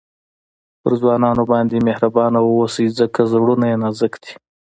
پر ځوانانو باندي مهربانه واوسئ؛ ځکه زړونه ئې نازک دي.